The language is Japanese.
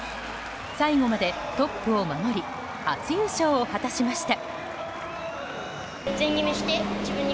最後までトップを守り初優勝を果たしました。